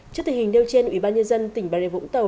trước thời hình nêu trên ủy ban nhân dân tỉnh bà lệ vũng tàu